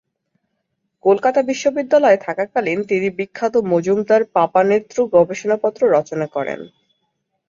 কলকাতা বিশ্ববিদ্যালয়ে থাকাকালীন তিনি বিখ্যাত মজুমদার-পাপানেত্রু গবেষণাপত্র রচনা করেন।